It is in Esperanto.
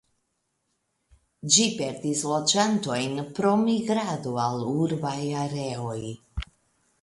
Ĝi perdis loĝantojn pro migrado al urbaj areoj.